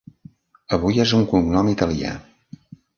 Avui és un cognom italià.